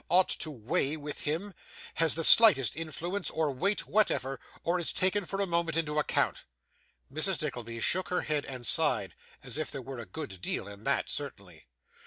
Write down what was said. ought to weigh with him, has the slightest influence or weight whatever, or is taken for a moment into account.' Mrs. Nickleby shook her head and sighed, as if there were a good deal in that, certainly.